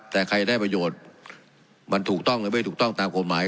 แต่ใครได้ประโยชน์มันถูกต้องหรือไม่ถูกต้องตามกฎหมาย